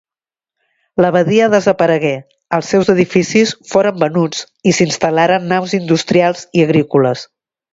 L'abadia desaparegué: els seus edificis foren venuts i s'hi instal·laren naus industrials i agrícoles.